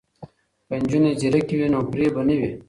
که نجونې ځیرکې وي نو فریب به نه وي.